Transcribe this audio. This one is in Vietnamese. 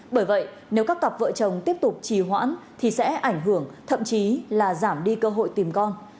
bởi vậy nếu các cặp vợ chồng tiếp tục trì hoãn thì sẽ ảnh hưởng thậm chí là giảm đi cơ hội tìm con